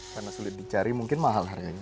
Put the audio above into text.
karena sulit dicari mungkin mahal harganya